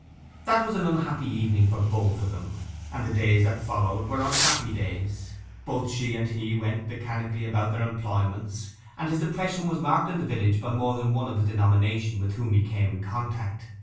That was an unhappy evening for both of them, and the days that followed were unhappy days. Both she and he went mechanically about their employments, and his depression was marked in the village by more than one of his denomination with whom he came in contact.